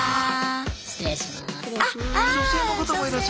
失礼します。